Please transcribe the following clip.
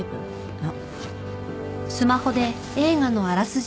あっ。